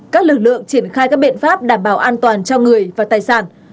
các lực lượng triển khai các biện pháp đảm bảo an toàn cho người và tài sản